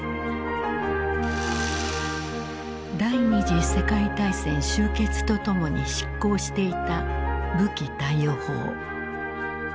第二次世界大戦終結とともに失効していた武器貸与法。